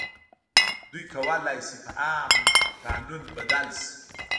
دوی کولای شي په عام قانون بدل شي.